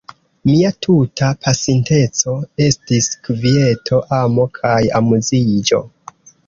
Mia tuta pasinteco estis kvieto, amo kaj amuziĝo.